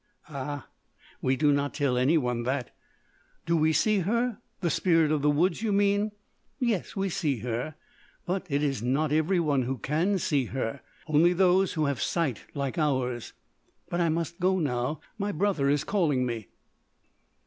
Ah! we do not tell anyone that. Do we see her? The spirit of the woods, you mean? Yes, we see her, but it is not every one who can see her only those who have sight like ours. But I must go now my brother is calling me."